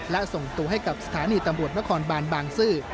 และส่งตัวให้กับสถานีตำรวจนครบานบางซื่อ